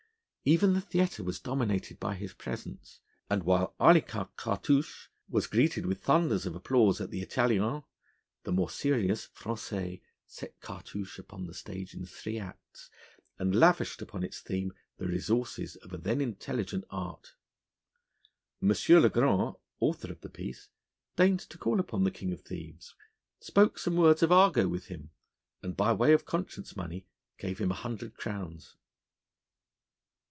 Even the theatre was dominated by his presence; and while Arlequin Cartouche was greeted with thunders of applause at the Italiens, the more serious Français set Cartouche upon the stage in three acts, and lavished upon its theme the resources of a then intelligent art. M. Le Grand, author of the piece, deigned to call upon the king of thieves, spoke some words of argot with him, and by way of conscience money gave him a hundred crowns.